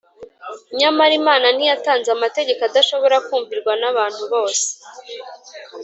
Nyamara Imana ntiyatanze amategeko adashobora kumvirwa n’abantu bose.